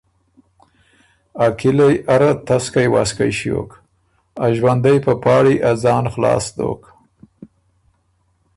ا کِلئ اره تسکئ وسکئ ݭیوک، ا ݫوندئ په پاړی ا ځان خلاص دوک۔